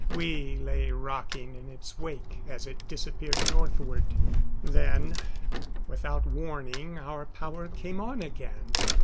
We lay rocking in its wake as it disappeared northward. Then, without warning, our power came on again.